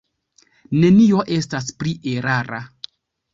Nenio estas pli erara.